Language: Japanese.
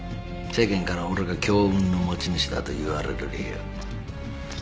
世間から俺が強運の持ち主だと言われる理由。